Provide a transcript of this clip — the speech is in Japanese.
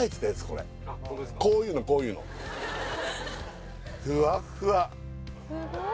これこういうのこういうのふわっふわ